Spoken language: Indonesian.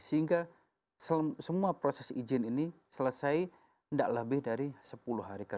sehingga semua proses izin ini selesai tidak lebih dari sepuluh hari ke depan